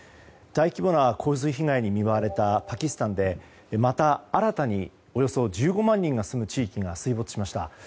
大規模な洪水被害に見舞われたパキスタンでまた新たに、およそ１５万人が住む地域が水没しました。